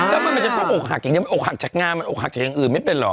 แล้วมันจะต้องอกหักอย่างเดียวมันอกหักจากงานมันอกหักจากอย่างอื่นไม่เป็นเหรอ